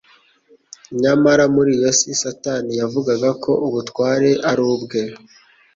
Nyamara muri iyo si Satani yavugaga ko ubutware ari ubwe